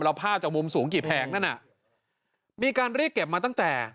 แล้วภาพจากมุมสูงกี่แผงนั่นน่ะมีการเรียกเก็บมาตั้งแต่